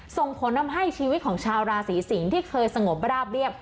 ส่งผลทำให้ชีวิตของชาวราศีสิงศ์ที่เคยสงบราบเรียบ